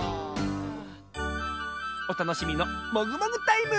おたのしみのもぐもぐタイム！